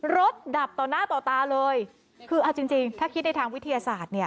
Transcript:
ดับต่อหน้าต่อตาเลยคือเอาจริงจริงถ้าคิดในทางวิทยาศาสตร์เนี่ย